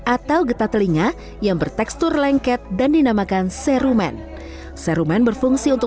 atau getah telinga yang bertekstur lengket dan dinamakan serumen serumen berfungsi untuk